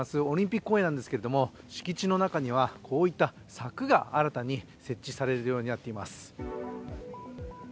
オリンピック公園なんですけれども、敷地の中にはこういった柵が新たに設置されるようになっています。